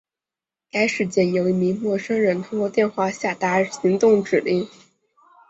该事件由一名陌生人通过电话下达行动指令。